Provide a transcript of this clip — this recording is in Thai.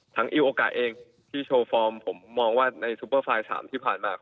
อิวโอกาเองที่โชว์ฟอร์มผมมองว่าในซุปเปอร์ไฟล์๓ที่ผ่านมา